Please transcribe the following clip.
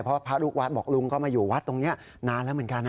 เพราะพระลูกวัดบอกลุงก็มาอยู่วัดตรงนี้นานแล้วเหมือนกันนะ